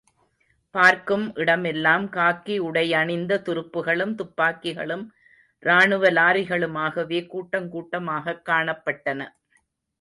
பார்க்கும் இடமெல்லாம் காக்கி உடையணிந்ததுருப்புகளும், துப்பாக்கிகளும், ராணுவ லாரிகளுமாகவே கூட்டங்கூட்டமாகக் காணப்பட்டன.